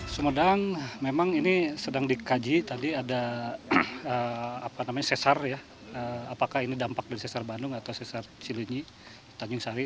sumedang memang ini sedang dikaji tadi ada sesar apakah ini dampak dari sesar bandung atau sesar cilinyi tanjung sari